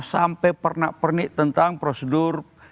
sampai pernak pernik tentang prosedur